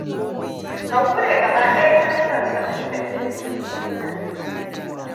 Ka hure gaba ɗaya kyandiran saman kek ɗin lokaci guda.